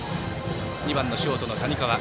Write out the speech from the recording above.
２番、ショートの谷川。